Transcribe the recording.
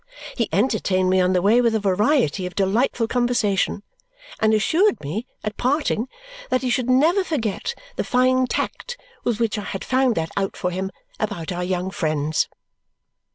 He entertained me on the way with a variety of delightful conversation and assured me, at parting, that he should never forget the fine tact with which I had found that out for him about our young friends.